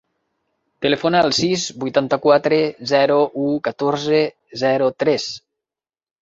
Telefona al sis, vuitanta-quatre, zero, u, catorze, zero, tres.